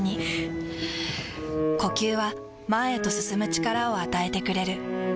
ふぅ呼吸は前へと進む力を与えてくれる。